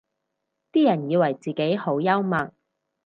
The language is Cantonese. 啲人以為自己好幽默